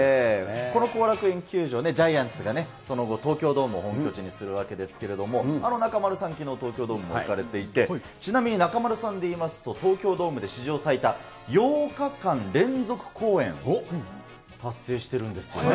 この後楽園球場、ジャイアンツがその後、東京ドームを本拠地にするわけですけれども、中丸さん、きのう東京ドームに行かれていて、ちなみに中丸さんでいいますと、東京ドームで史上最多８日間連続公演を達成してるんですよね。